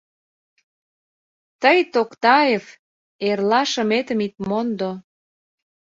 — Тый, Токтаев, эрлашыметым ит мондо.